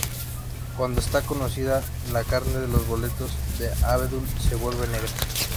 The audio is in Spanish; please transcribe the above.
Cuando esta cocida, la carne de los boletos de abedul se vuelve negra.